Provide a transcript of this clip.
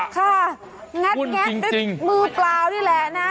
งัดแงะด้วยมือเปล่านี่แหละนะ